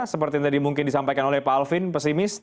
seperti yang tadi mungkin disampaikan oleh pak alvin pesimis